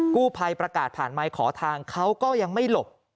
กู้ภัยประกาศผ่านไมค์ขอทางเขาก็ยังไม่หลบ